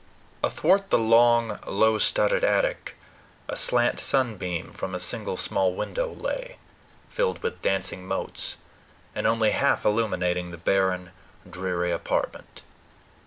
Athwart the long, low studded attic, a slant sunbeam from a single small window lay, filled with dancing motes, and only half illuminating the barren, dreary apartment.